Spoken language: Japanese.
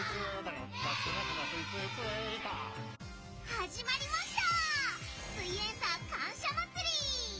始まりました！